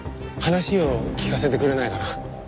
話を聞かせてくれないかな？